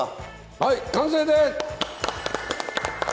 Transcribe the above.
はい完成です！